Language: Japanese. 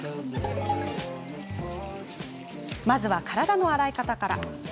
まずは体の洗い方からです。